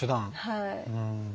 はい。